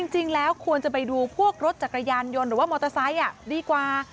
จริงแล้วควรจะไปดูพวกรถจักรยานยนต์หรือว่ามอเตอร์ไซค์ดีกว่า